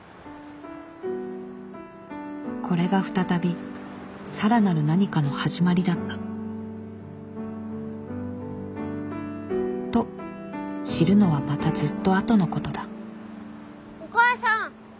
これが再びさらなる何かの始まりだったと知るのはまたずっとあとのことだお母さん。